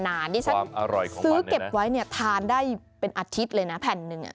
ความอร่อยของมันเนี่ยนะความอร่อยของมันเนี่ยนะที่ฉันซื้อเก็บไว้เนี่ยทานได้เป็นอาทิตย์เลยนะแผ่นหนึ่ง